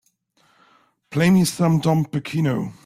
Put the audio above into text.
play me some Dom Pachino